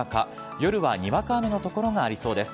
夜はにわか雨の所がありそうです。